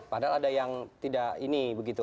padahal ada yang tidak ini begitu